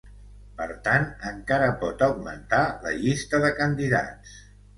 Per tant, encara pot augmentar la llista de candidats.